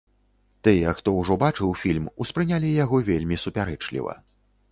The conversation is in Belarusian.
Тыя, хто ўжо бачыў фільм, успрынялі яго вельмі супярэчліва.